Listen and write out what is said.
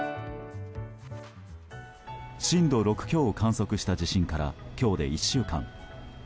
震度６強を観測した地震から今日で１週間。